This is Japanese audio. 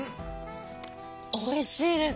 おいしいです。